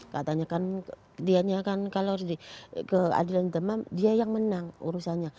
katanya kan kalau ke adilan deman dia yang menang urusannya